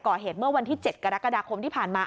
เมื่อวันที่๗กรกฎาคมที่ผ่านมา